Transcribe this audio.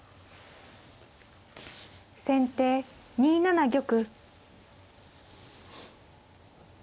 先手２七玉。